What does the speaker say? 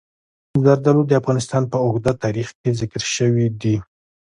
زردالو د افغانستان په اوږده تاریخ کې ذکر شوي دي.